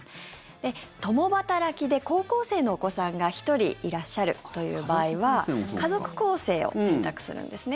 で、共働きで高校生のお子さんが１人いらっしゃるという場合は家族構成を選択するんですね。